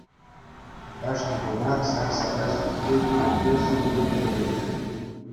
Кашни кунах ҫак сарай ҫути пӳрте ҫутӑ ӳкерет.